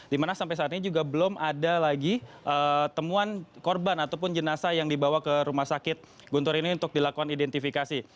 dimana sampai saat ini juga belum ada lagi temuan korban ataupun jenazah yang dibawa ke rumah sakit guntur ini untuk dilakukan identifikasi